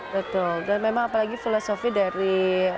betul dan memang apalagi filosofi dari